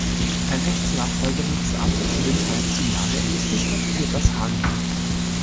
Rechtsnachfolgerin des Amtes Windheim zu Lahde ist die Stadt Petershagen.